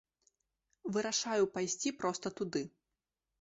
Вырашаю пайсці проста туды.